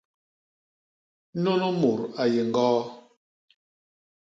Nunu mut a yé ñgoo.